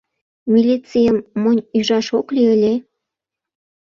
— Милицийым монь ӱжаш ок лий ыле?